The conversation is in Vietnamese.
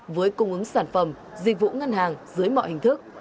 với cung ứng sản phẩm dịch vụ ngân hàng dưới mọi hình thức